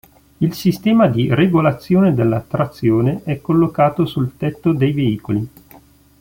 Il sistema di regolazione della trazione è collocato sul tetto dei veicoli.